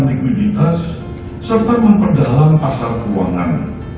menjaga kecukupan likuiditas serta memperdalam pasar keuangan